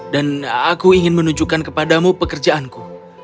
dan aku ingin menunjukkan kepadamu pekerjaanku